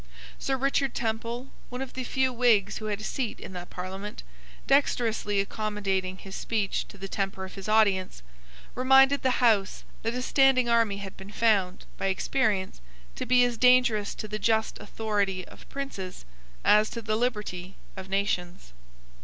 Sir Richard Temple, one of the few Whigs who had a seat in that Parliament, dexterously accommodating his speech to the temper of his audience, reminded the House that a standing army had been found, by experience, to be as dangerous to the just authority of princes as to the liberty of nations.